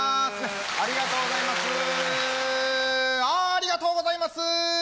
ありがとうございます！